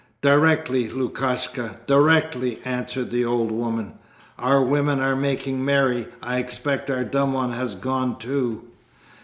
"Directly, Lukashka, directly!" answered the old woman. "Our women are making merry. I expect our dumb one has gone too."